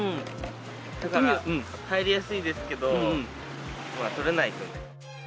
だから、入りやすいですけど、取れないとね。